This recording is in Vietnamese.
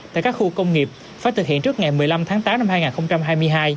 tại các khu công nghiệp phải thực hiện trước ngày một mươi năm tháng tám năm hai nghìn hai mươi hai